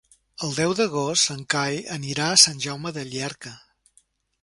El deu d'agost en Cai anirà a Sant Jaume de Llierca.